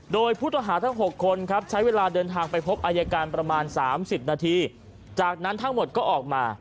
โดยผู้ต้องหาทั้ง๖คนครับใช้เวลาเดินทางไปพบอายการประมาณ๓๐นาทีจากนั้นทั้งหมดก็ออกมา